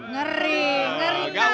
ngeri ngeri sekali itu